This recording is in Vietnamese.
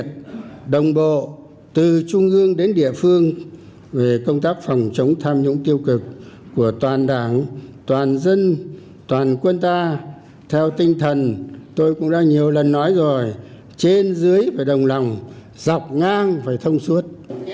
bộ chính trị đã giao cho bộ chính trị đồng bộ từ trung ương đến địa phương về công tác phòng chống tham nhũng tiêu cực của toàn đảng toàn dân toàn quân ta theo tinh thần tôi cũng đã nhiều lần nói rồi trên dưới và đồng lòng dọc ngang và thông suốt